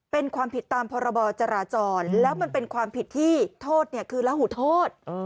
เป็นความผิดตามพรบจราจรแล้วมันเป็นความผิดที่โทษเนี่ยคือละหูโทษ